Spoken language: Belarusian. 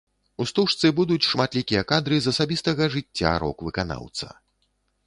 У стужцы будуць шматлікія кадры з асабістага жыцця рок-выканаўца.